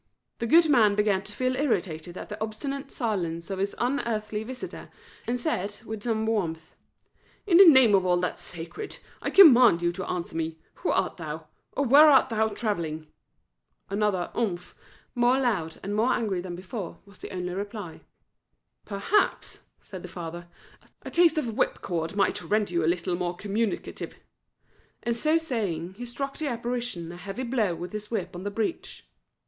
The good man began to feel irritated at the obstinate silence of his unearthly visitor, and said, with some warmth "In the name of all that's sacred, I command you to answer me, Who art thou, or where art thou travelling?" Another "Umph," more loud and more angry than before, was the only reply. "Perhaps," said the father, "a taste of whipcord might render you a little more communicative;" and so saying, he struck the apparition a heavy blow with his whip on the breech.